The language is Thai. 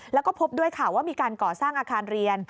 แล้วก็พบด้วยค่ะว่ามีการก่อสร้างอาคารเรียน